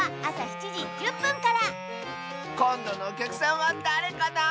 こんどのおきゃくさんはだれかな？